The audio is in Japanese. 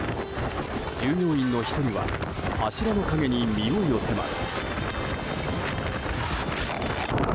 従業員の１人は柱の陰に身を寄せます。